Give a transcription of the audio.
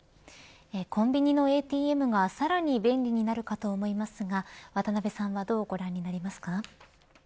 コンビニのＡＴＭがさらに便利になるかと思いますが渡辺さんはどうご覧になりますか。